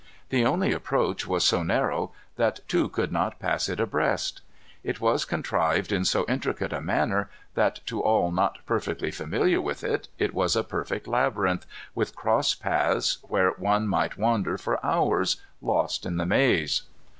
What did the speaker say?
The only approach was so narrow that two could not pass it abreast. It was contrived in so intricate a manner that, to all not perfectly familiar with it, it was a perfect labyrinth, with cross paths where one might wander for hours, lost in the maze.